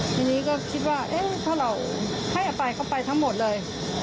ทีนี้ก็คิดว่าเอ๊ะถ้าเราให้อภัยเขาไปทั้งหมดเลย